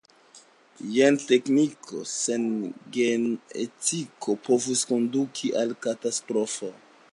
Gen-tekniko sen gen-etiko povus konduki al katastrofo.